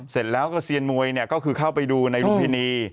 เสร็จแล้วก็เซียนมวยก็คือเข้าไปดูในลุมพินี